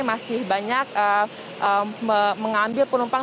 masih banyak mengambil penumpang